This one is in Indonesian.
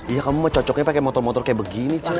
iya kamu cocoknya pakai motor motor kayak begini